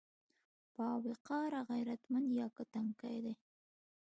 باوقاره، غيرتمن يا که تنکي دي؟